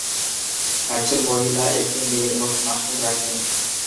একজন মহিলা একটি মেয়ের মুখে মাশরুম রাখেন